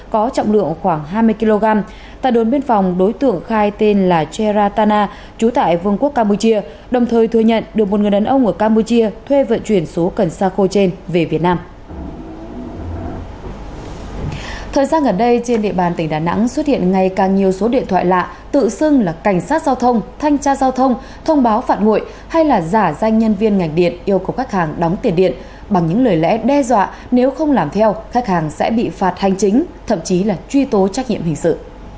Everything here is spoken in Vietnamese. cảnh sát giao thông thanh tra giao thông thông báo phản nguội hay là giả danh nhân viên ngành điện yêu cầu các hàng đóng tiền điện bằng những lời lẽ đe dọa nếu không làm theo các hàng sẽ bị phạt hành chính thậm chí là truy tố trách nhiệm hình sự